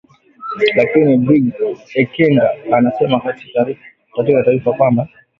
Lakini Brig Ekenge amesema katika taarifa kwamba